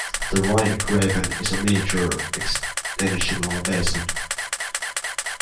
The Rhine Graben is a major extensional basin.